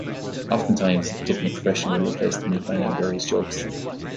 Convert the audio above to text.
Oftentimes, a different profession will replace the milkman in various jokes.